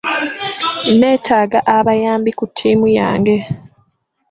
Neetaaga abayambi ku tiimu yange.